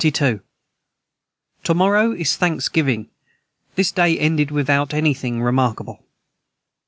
&c. the 22. To morrow is thanksgiveing this day ended without any thing remarkable.